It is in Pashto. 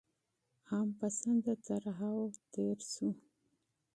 عام پسنده طرحو تېر شو.